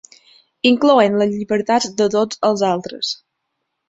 Incloent les llibertats de tots els altres.